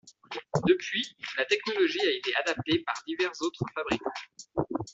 Depuis, la technologie a été adaptée par divers autres fabricants.